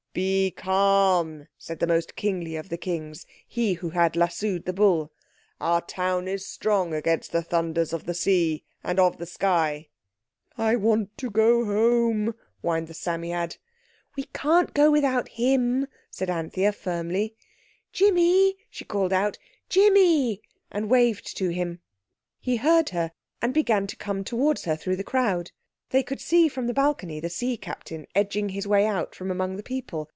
"Be calm," said the most kingly of the Kings, he who had lassoed the bull. "Our town is strong against the thunders of the sea and of the sky!" "I want to go home," whined the Psammead. "We can't go without him," said Anthea firmly. "Jimmy," she called, "Jimmy!" and waved to him. He heard her, and began to come towards her through the crowd. They could see from the balcony the sea captain edging his way out from among the people.